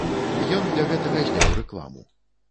Ён для гэтага зняў рэкламу.